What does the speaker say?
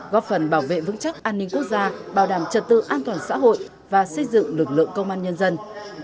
góp phần bảo vệ vững chắc an ninh quốc gia bảo đảm trật tự an toàn xã hội và xây dựng lực lượng công an nhân dân